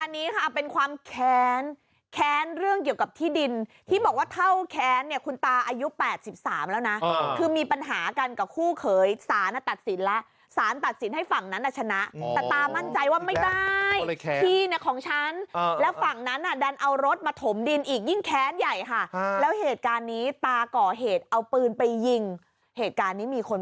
อันนี้ค่ะเป็นความแค้นแค้นเรื่องเกี่ยวกับที่ดินที่บอกว่าเท่าแค้นเนี่ยคุณตาอายุ๘๓แล้วนะคือมีปัญหากันกับคู่เขยสารตัดสินแล้วสารตัดสินให้ฝั่งนั้นน่ะชนะแต่ตามั่นใจว่าไม่ได้ที่เนี่ยของฉันแล้วฝั่งนั้นน่ะดันเอารถมาถมดินอีกยิ่งแค้นใหญ่ค่ะแล้วเหตุการณ์นี้ตาก่อเหตุเอาปืนไปยิงเหตุการณ์นี้มีคน